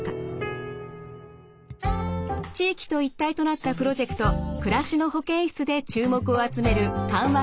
地域と一体となったプロジェクト暮らしの保健室で注目を集める緩和